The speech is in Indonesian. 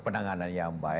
penanganan yang baik